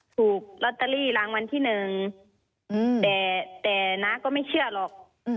ถูกลอตเตอรี่รางวัลที่หนึ่งแต่น้าก็ไม่เชื่อหรอก